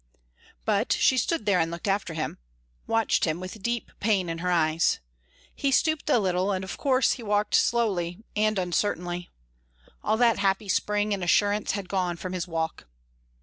But she stood there and looked after him watched him with deep pain in her eyes. He stooped a little, and of course he walked slowly, and uncertainly. All that happy spring and assurance had gone from his walk.